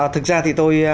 thực ra thì tôi